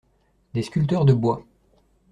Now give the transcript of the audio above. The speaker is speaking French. Des sculpteurs de bois.